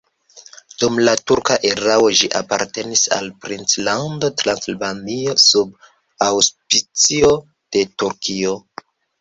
Dum la turka erao ĝi apartenis al Princlando Transilvanio sub aŭspicio de Turkio.